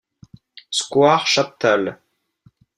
Square Chaptal.